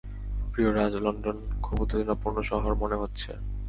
প্রিয় রাজ, লন্ডন খুব উত্তেজনাপূর্ণ শহর মনে হচ্ছে।